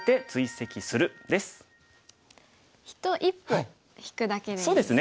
一歩引くだけでいいんですね。